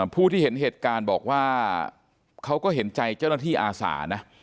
ผู้ที่เห็นเหตุการณ์บอกว่าเขาก็เห็นใจเจ้าหน้าที่อาสานะ